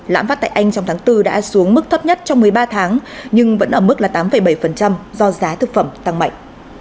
lãm phát tại anh trong tháng bốn đã xuống mức thấp nhất trong một mươi ba tháng nhưng vẫn ở mức là tám bảy do giá thực phẩm tăng mạnh